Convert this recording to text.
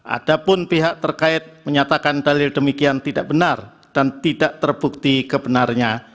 ada pun pihak terkait menyatakan dalil demikian tidak benar dan tidak terbukti kebenarnya